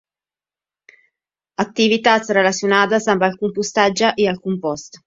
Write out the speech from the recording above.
Activitats relacionades amb el compostatge i el compost.